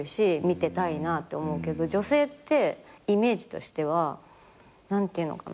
女性ってイメージとしては何ていうのかな。